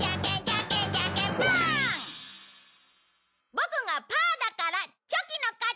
ボクがパーだからチョキの勝ち！